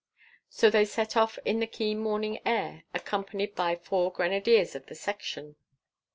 So they set off in the keen morning air, accompanied by four grenadiers of the Section.